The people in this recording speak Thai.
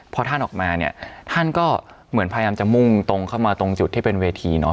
พอท่านออกมาเนี่ยท่านก็เหมือนพยายามจะมุ่งตรงเข้ามาตรงจุดที่เป็นเวทีเนาะ